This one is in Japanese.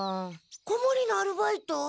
子もりのアルバイト？